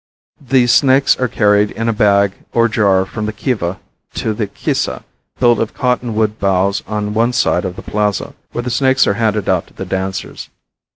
The snakes are carried in a bag or jar from the Kiva to the Kisa, built of cotton wood boughs on one side of the plaza, where the snakes are banded out to the dancers.